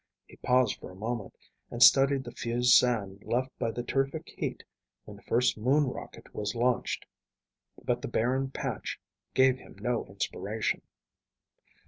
He paused for a moment and studied the fused sand left by the terrific heat when the first moon rocket was launched, but the barren patch gave him no inspiration.